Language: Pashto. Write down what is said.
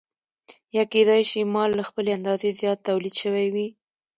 یا کېدای شي مال له خپلې اندازې زیات تولید شوی وي